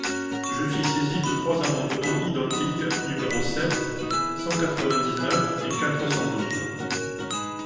Je suis saisi de trois amendements identiques, numéros sept, cent quatre-vingt-dix-neuf et quatre cent douze.